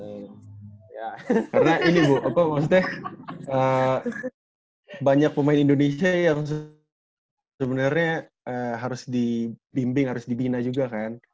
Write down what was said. karena ini bu aku maksudnya banyak pemain indonesia yang sebenarnya harus dibimbing harus dibina juga kan